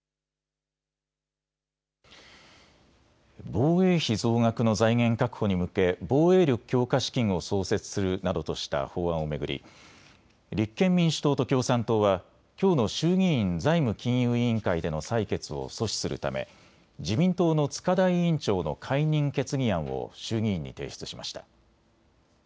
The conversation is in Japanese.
防衛費増額の財源確保に向け防衛力強化資金を創設するなどとした法案を巡り、立憲民主党と共産党はきょうの衆議院財務金融委員会での採決を阻止するため自民党の塚田委員長の解任決議案を衆議院に提出しました。